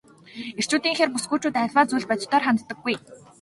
Эрчүүдийнхээр бүсгүйчүүд аливаа зүйлд бодитоор ханддаггүй.